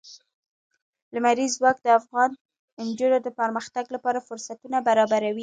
لمریز ځواک د افغان نجونو د پرمختګ لپاره فرصتونه برابروي.